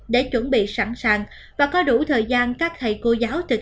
để chuẩn bị sẵn sàng và có đủ thời gian các thầy cô giáo trực